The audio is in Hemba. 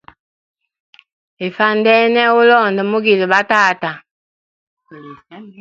Ifwandene ulonda mugile batata.